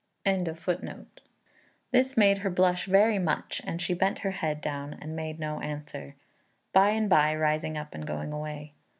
This made her blush very much, and she bent her head down and made no answer; by and by rising up and going away.